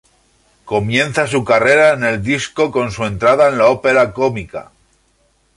Comienza su carrera en el disco con su entrada en la Opera Cómica.